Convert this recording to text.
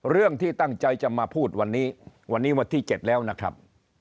เรื่องที่ตั้งใจจะมาพูดวันนี้วันนี้วันที่๗แล้วนะครับ